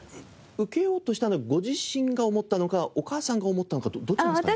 受けようとしたのはご自身が思ったのかお母さんが思ったのかどっちなんですかね？